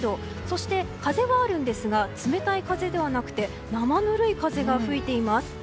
そして風はあるんですが冷たい風ではなくて生ぬるい風が吹いています。